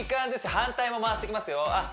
反対も回していきますよあっ